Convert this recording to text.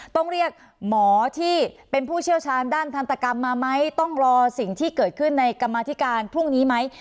ต้องเรียกหมอที่เป็นผู้เชี่ยวชาญด้านทันตกรรมมาไหมต้องรอสิ่งที่เกิดขึ้นในกรรมาธิการพรุ่งนี้ไหม